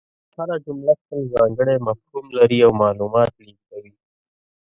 هره جمله خپل ځانګړی مفهوم لري او معلومات لېږدوي.